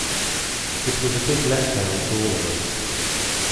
It was a big let down for all of us.